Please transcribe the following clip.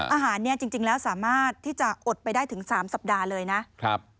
อาหารเนี่ยจริงแล้วสามารถที่จะอดไปได้ถึง๓สัปดาห์เลยนะครับ